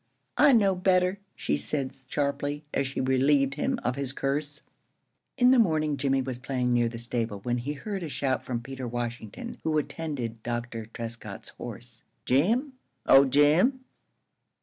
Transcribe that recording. "I know better," she said, sharply, as she relieved him of his curse. In the morning Jimmie was playing near the stable, when he heard a shout from Peter Washington, who attended Dr. Trescott's horse: "Jim! Oh, Jim!"